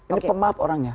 ini pemaaf orangnya